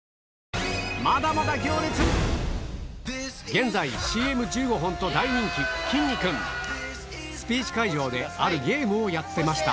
現在ＣＭ１５本と大人気きんに君スピーチ会場であるゲームをやってました